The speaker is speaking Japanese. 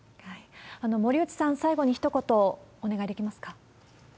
森内さん、最後にひと言お願いできますか？